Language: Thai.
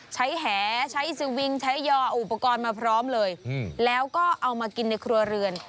แหใช้สวิงใช้ยออุปกรณ์มาพร้อมเลยแล้วก็เอามากินในครัวเรือน